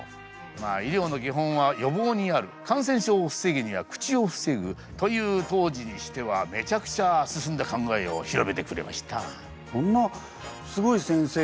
まあ医療の基本は予防にある感染症を防ぐには口を防ぐという当時にしてはめちゃくちゃ進んだ考えを広めてくれました。